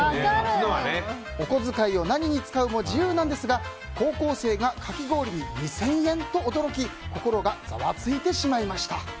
お小遣いを何に使うも自由なんですが高校生がかき氷に２０００円？と驚き心がざわついてしまいました。